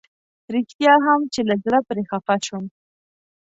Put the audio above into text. رښتيا هم چې له زړه پرې خفه شوم.